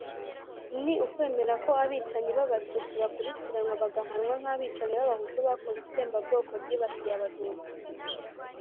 ni ukwemera ko abicanyi b'abatutsi bakurikiranwa bagahanwa nk'abicanyi b'abahutu bakoze itsembabwoko ryibasiye abatutsi.